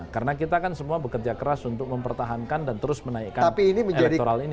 karena kita kan semua bekerja keras untuk mempertahankan dan terus menaikkan elektoral ini